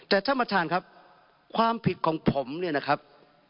แต่ท่านประธานครับความผิดของผมเนี่ยนะครับ